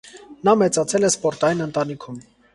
Նա մեծացել է սպորտային ընտանիքում։